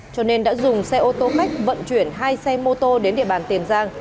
cho nên đã dùng xe ô tô mách vận chuyển hai xe mô tô đến địa bàn tiền giang